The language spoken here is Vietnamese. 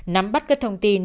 nắm bắt các thông tin